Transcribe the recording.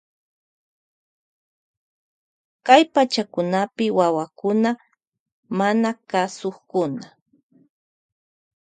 Kay pachakunapi wawakuna manakasukkuna.